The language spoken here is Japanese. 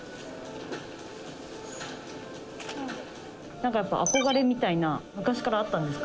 何かやっぱ憧れみたいな昔からあったんですか？